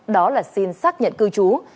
đó là xin xác nhận cư trú